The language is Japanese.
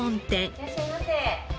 いらっしゃいませ。